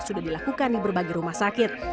sudah dilakukan di berbagai rumah sakit